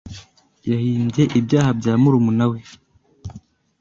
Yahimbye ibyaha bya murumuna we.